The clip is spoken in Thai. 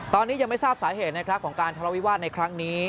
ตอนนี้ยังไม่ทราบสาเหตุนะครับของการทะเลาวิวาสในครั้งนี้